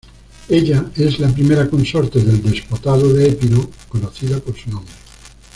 Ella es la primera consorte del Despotado de Epiro conocida por su nombre.